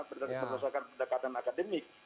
berdasarkan pendekatan akademik